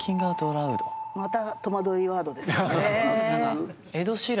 またとまどいワードですよね。